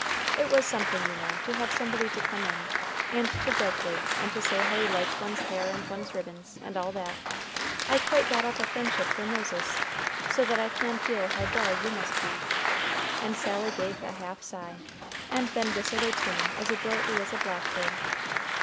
It was something, you know, to have somebody to come in, and to joke with, and to say how he liked one's hair and one's ribbons, and all that. I quite got up a friendship for Moses, so that I can feel how dull you must be;" and Sally gave a half sigh, and then whistled a tune as adroitly as a blackbird.